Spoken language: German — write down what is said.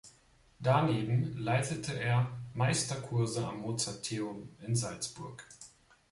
Daneben leitete er Meisterkurse am Mozarteum in Salzburg.